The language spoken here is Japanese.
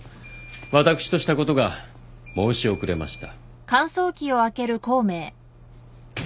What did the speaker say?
私としたことが申し遅れました。